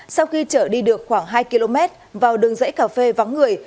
sau khi chở đi được khoảng hai km vào đường dãy cà phê vắng người